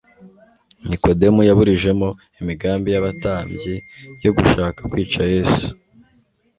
Nikodemu yaburijemo imigambi y'abatambyi yo gushaka kwica Yesu.